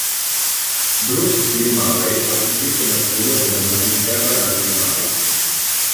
Bruce C. Murray ha descritto Mercurio come "Una mini Terra in abiti lunari".